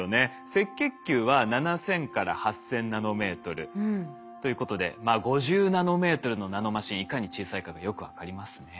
赤血球は７，０００８，０００ナノメートルということで５０ナノメートルのナノマシンいかに小さいかがよく分かりますね。